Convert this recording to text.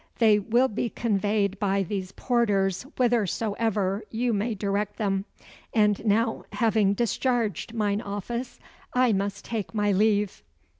They will be conveyed by these porters whithersoever you may direct them. And now, having discharged mine office, I must take my leave."